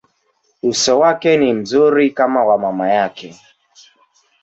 Uso wake ni mzuri kama mama yake.